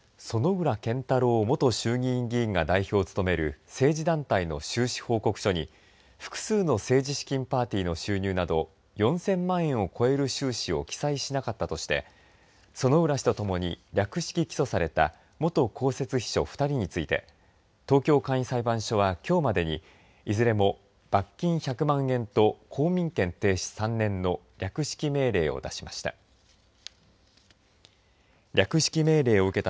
薗浦健太郎元衆議院議員が代表を務める政治団体の収支報告書に複数の政治資金パーティーの収入など４０００万円を超える収支を記載しなかったとして薗浦氏と共に略式起訴された元公設秘書２人について東京簡易裁判所はきょうまでにいずれも罰金１００万円と公民権停止３年の略式命令を出しました。